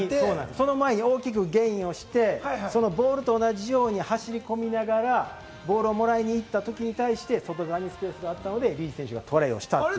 その前に大きくゲインして、ボールと同じように走り込みながらボールをもらいに行ったときに対して、外側にスペースがあったので、リーチ選手がトライした。